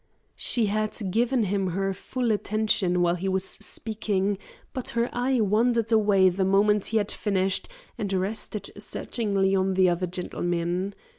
She had given him her full attention while he was speaking, but her eye wandered away the moment he had finished and rested searchingly on the other gentlemen.